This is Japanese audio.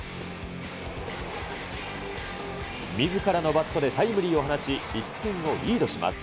みずからのバットでタイムリーを放ち、１点をリードします。